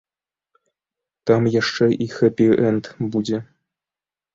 Там яшчэ і хэпі-энд будзе.